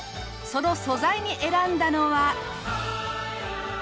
その素材に選んだのは。